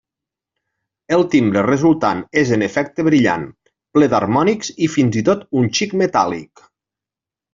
El timbre resultant és en efecte brillant, ple d'harmònics i fins i tot un xic metàl·lic.